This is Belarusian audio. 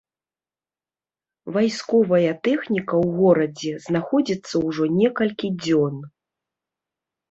Вайсковая тэхніка ў горадзе знаходзіцца ўжо некалькі дзён.